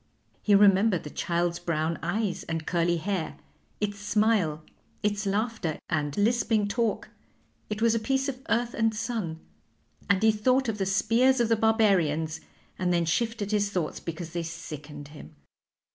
He remembered the child's brown eyes and curly hair, its smile, its laughter, and lisping talk it was a piece of earth and sun and he thought of the spears of the Barbarians, and then shifted his thoughts because they sickened him.